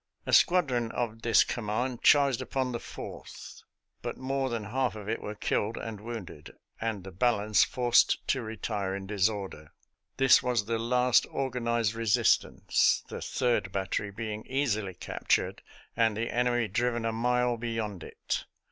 A squadron of this command charged upon the Fourth, but more than half of it were killed and wounded, and the balance forced to retire in disorder. This was the last organized resistance, the third battery being easily captured and the enemy driven a mile beyond it.